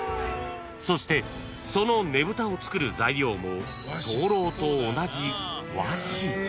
［そしてそのねぶたをつくる材料も灯籠と同じ］